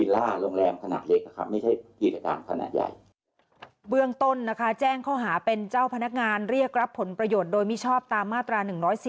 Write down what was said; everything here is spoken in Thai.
และคุณผู้หญิงก็ได้เรียกรับผลประโยชน์โดยมิชอบตามมาตรา๑๔๙